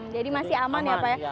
jadi masih aman ya pak ya